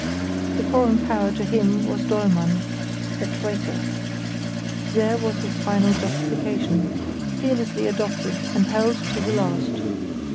The foreign power to him was Dollmann, a traitor. There was his final justification, fearlessly adopted and held to the last.